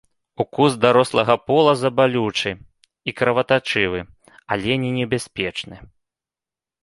Укус дарослага полаза балючы і кроватачывы, але не небяспечны.